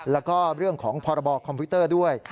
แล้วก็เรื่องของพรบคอมพิวเตอร์ด้วย